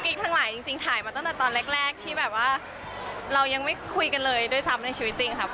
ทั้งหลายจริงถ่ายมาตั้งแต่ตอนแรกที่แบบว่าเรายังไม่คุยกันเลยด้วยซ้ำในชีวิตจริงครับ